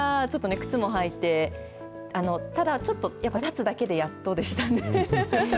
ちょっとね、靴も履いて、ただ、ちょっとやっぱり立つだけでやっとでしたね。